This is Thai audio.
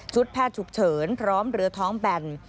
แพทย์ฉุกเฉินพร้อมเรือท้องแบน